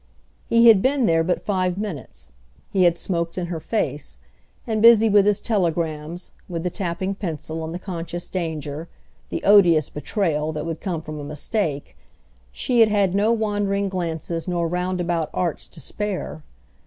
He had been there but five minutes, he had smoked in her face, and, busy with his telegrams, with the tapping pencil and the conscious danger, the odious betrayal that would come from a mistake, she had had no wandering glances nor roundabout arts to spare.